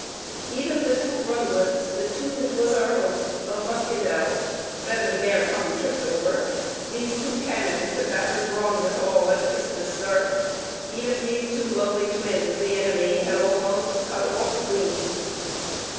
"Even the two rundlets, The two that was our hope, of muscadel, (Better ne'er tongue tript over,) these two cannons, To batter brawn withal, at Christmas, sir,— Even these two lovely twins, the enemy Had almost cut off clean."